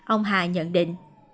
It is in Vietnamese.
ông hà nhận định